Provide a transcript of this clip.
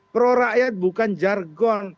prorakyat bukan jargon